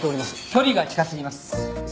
距離が近すぎます。